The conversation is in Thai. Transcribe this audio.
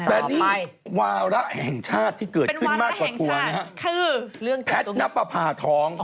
อันนี้วาระแห่งชาติที่เกิดขึ้นมากกว่าตัวนะฮะแพทย์นับประภาท้อง